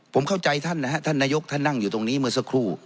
ผมเข้าใจท่านนะฮะท่านนายกท่านนั่งอยู่ตรงนี้เมื่อสักครู่